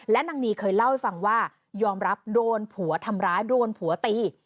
และนางนีเคยเล่าให้ฟังว่ายอมรับโดนผัวทำร้ายโดนผัวตี